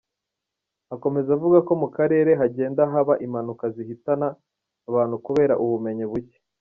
Akomeza avuga ko mu Karere hagenda haba impanuka zihitana abantu kubera ubumenyi buke.